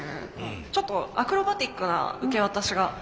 ちょっとアクロバティックな受け渡しがあるのかなって。